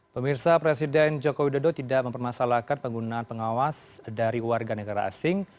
pemirsa presiden joko widodo tidak mempermasalahkan penggunaan pengawas dari warga negara asing